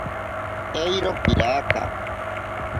Eiro piraka.